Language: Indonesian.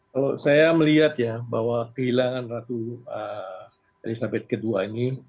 kalau saya melihat ya bahwa kehilangan ratu elizabeth ii ini